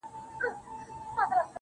پسله كلونه چي جانان تـه ورځـي.